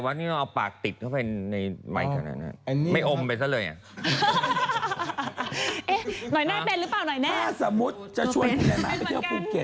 ถ้าสมมติจะชวนคุณไอ้แม่ไปเที่ยวภูเกศ